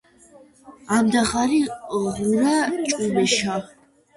ამდაღარი ღურა ჭუმეშა